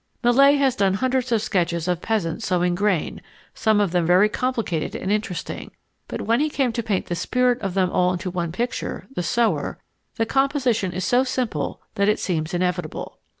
Millet had done hundreds of sketches of peasants sowing grain, some of them very complicated and interesting, but when he came to paint the spirit of them all into one picture, "The Sower," the composition is so simple that it seems inevitable.